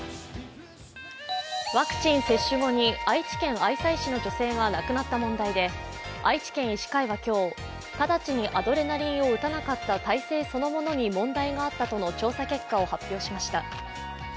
ワクチン接種後に愛知県愛西市の女性が亡くなった問題で愛知県医師会は今日直ちにアドレナリンを打たなかった体制そのものに問題があったとの調査結果を発表しました。